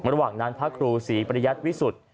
ระหว่างนั้นพระครูศรีปริยัติวิสุทธิ์